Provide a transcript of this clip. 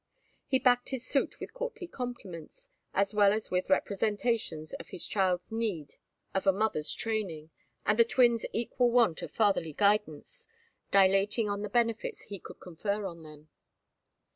He backed his suit with courtly compliments, as well as with representations of his child's need of a mother's training, and the twins' equal want of fatherly guidance, dilating on the benefits he could confer on them.